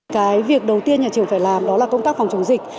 cái việc đầu tiên nhà trường phải làm đó là công tác phòng chống dịch